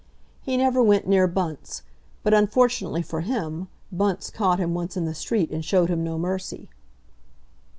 He never went near Bunce; but, unfortunately for him, Bunce caught him once in the street and showed him no mercy.